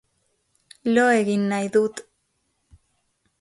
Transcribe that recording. Lo egin nahi dut